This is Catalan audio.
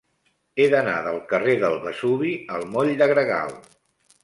He d'anar del carrer del Vesuvi al moll de Gregal.